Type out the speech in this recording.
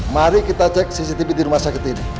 mari kita cek cctv di rumah sakit ini